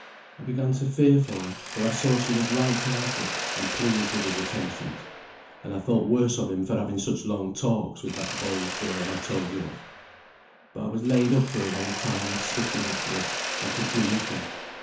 I began to fear for her, for I saw she was light hearted, and pleased with his attentions; and I thought worse of him for having such long talks with that bold girl I told you of. But I was laid up for a long time with spitting of blood; and could do nothing.